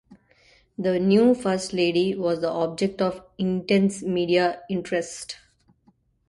The new First Lady was the object of intense media interest.